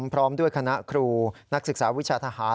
พร้อมด้วยคณะครูนักศึกษาวิชาทหาร